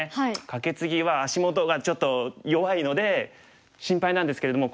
カケツギは足元がちょっと弱いので心配なんですけれども。